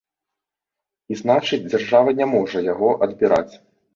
І значыць, дзяржава не можа яго адбіраць.